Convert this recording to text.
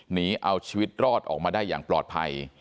หนีเอาชีวิตรอดออกมาได้อย่างปลอดภัย